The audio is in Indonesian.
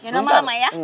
jangan lama lama ya